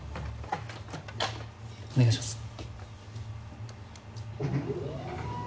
お願いします。